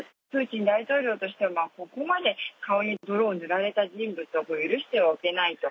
プーチン大統領としては、ここまで顔に泥を塗られた人物を許してはおけないと。